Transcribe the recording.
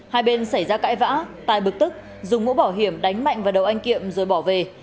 hai bên xảy ra cãi vã tài bực tức dùng mũ bảo hiểm đánh mạnh vào đầu anh kiệm rồi bỏ về